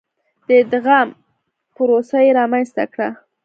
د ادغام پروسه یې رامنځته کړه.